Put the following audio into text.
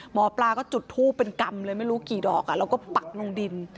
หมอปลาก็จุดทูปเป็นกรรมเลยไม่รู้กี่ดอกแล้วก็ปักลงดิน